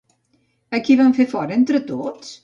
A qui van fer fora entre tots?